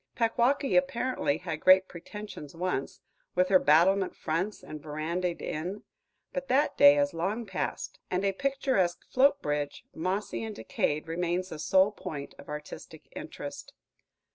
Packwaukee apparently had great pretensions once, with her battlement fronts and verandaed inn; but that day has long passed, and a picturesque float bridge, mossy and decayed, remains the sole point of artistic interest.